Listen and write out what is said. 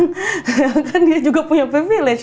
sedangkan dia juga punya privilege